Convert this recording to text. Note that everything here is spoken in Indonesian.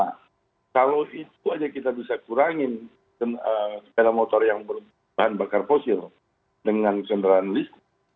nah kalau itu aja kita bisa kurangin sepeda motor yang berbahan bakar fosil dengan kendaraan listrik